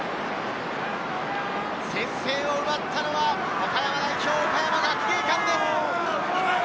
先制を奪ったのは岡山代表・岡山学芸館です。